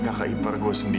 kakak ipar gue sendiri